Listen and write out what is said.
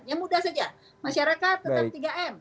ya mudah saja masyarakat tetap tiga m